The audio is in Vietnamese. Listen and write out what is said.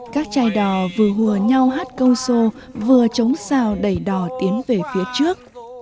các chai đò vừa hùa nhau hát câu sô vừa trống sao đẩy đò tiến về phía trước